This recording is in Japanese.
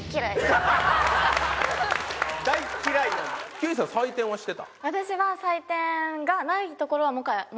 休井さん採点はしてた？